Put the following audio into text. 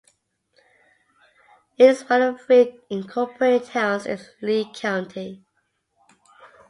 It is one of three incorporated towns in Lee County.